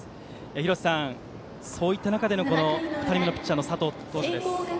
廣瀬さん、そういった中での２人目のピッチャーの佐藤投手です。